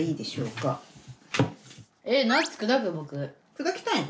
砕きたいの？